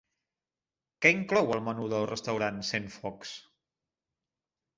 Què inclou el menú del restaurant Centfocs?